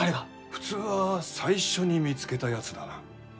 普通は最初に見つけたやつだな。